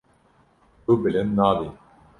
Tu bilind nabî.